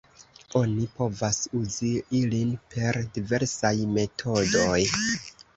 Oni povas uzi ilin per diversaj metodoj.